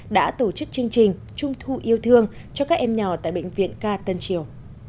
đã tổ chức chương trình trung thu yêu thương cho các em nhỏ tại bệnh viện ca tân triều